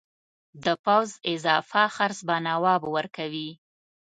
د پوځ اضافه خرڅ به نواب ورکوي.